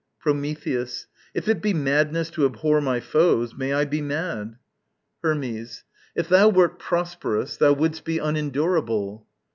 Prometheus. If it be madness to abhor my foes, May I be mad! Hermes. If thou wert prosperous Thou wouldst be unendurable.